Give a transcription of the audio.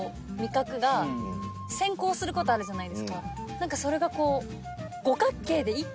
なんかそれがこう。